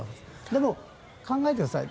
でも、考えてください。